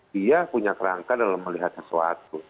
dia punya kerangka dalam melihat sesuatu